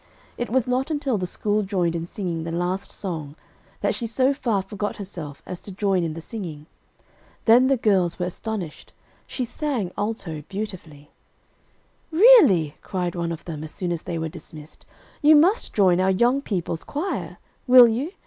It was not until the school joined in singing the last song, that she so far forgot herself as to join in the singing. Then the girls were astonished. She sang alto beautifully. "Really," cried one of them as soon as they were dismissed, "you must join our young people's choir, will you?